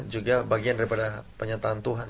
juga bagian daripada penyertaan tuhan